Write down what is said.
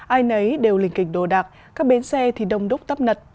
ai nấy đều lình kịch đồ đạc các bến xe thì đông đúc tắp nật